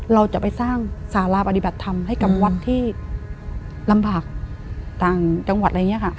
เราจะไปสร้างสาราปฏิบัติธรรมให้กับวัดที่ลำบากต่างจังหวัดอะไรอย่างนี้ค่ะ